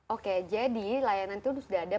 oke jadi layanan itu sudah ada